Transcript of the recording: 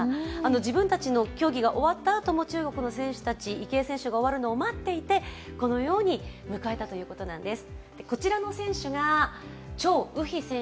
自分たちの競技が終わったあとも、中国の選手たち、池江選手を待っていてこのように迎えたということなんです。